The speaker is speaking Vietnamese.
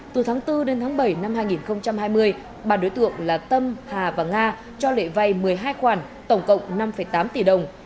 từ tháng bốn đến tháng bảy năm hai nghìn hai mươi ba đối tượng là tâm hà và nga cho lệ vay một mươi hai khoản tổng cộng năm tám tỷ đồng